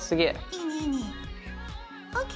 いいねいいね。ＯＫ！